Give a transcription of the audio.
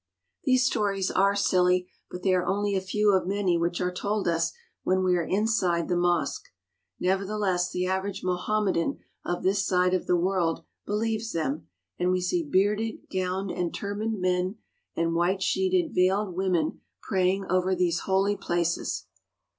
These stories are silly, but they are only a few of many which are told us when we are inside the mosque. Never theless, the average Mohammedan of this side of the world believes them, and we see bearded, gowned, and tur baned men and white sheeted, veiled women praying over these holy places.